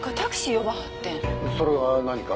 それが何か？